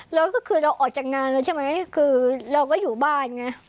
แล้วก็คือเราออกจากงานแล้วใช่ไหมคือเราก็อยู่บ้านไง